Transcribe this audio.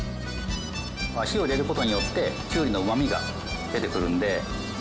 火を入れる事によってきゅうりのうまみが出てくるので。